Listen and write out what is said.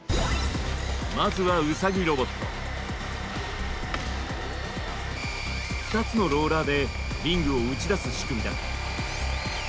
まずは２つのローラーでリングを打ち出す仕組みだ。